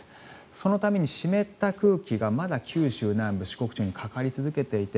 そのために湿った空気がまだ九州南部、四国地方にかかり続けていて